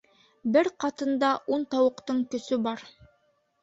Бер ҡатында ун тауыҡтың көсө бар.